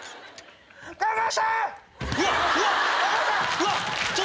うわっ⁉